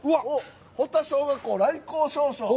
保田小学校来校証書。